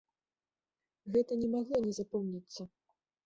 Гэта не магло не запомніцца.